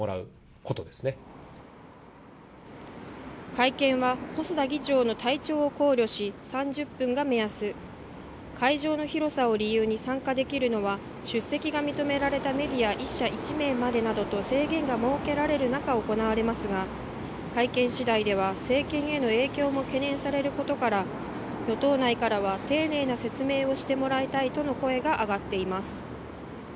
会見は細田議長の体調を考慮し３０分が目安会場の広さを理由に参加できるのは出席が認められたメディア１社１名までなどと制限が設けられる中行われますが会見次第では政権への影響も懸念されることから与党内からは丁寧な説明をしてもらいたいとの声が上がっています